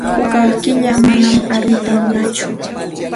Quwaa qilam, manam aruyta munantsu.